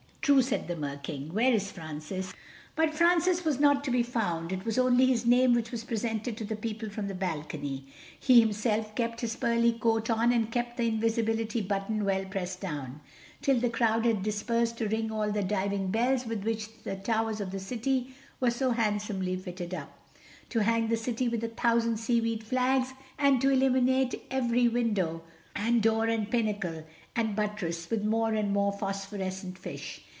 "True," said the Mer King, "where is Francis?" But Francis was not to be found; it was only his name which was presented to the people from the balcony. He himself kept his pearly coat on and kept the invisibility button well pressed down, till the crowd had dispersed to ring all the diving bells with which the towers of the city were so handsomely fitted up, to hang the city with a thousand seaweed flags, and to illuminate its every window and door and pinnacle and buttress with more and more phosphorescent fish.